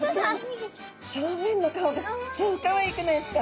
正面の顔が超かわいくないですか？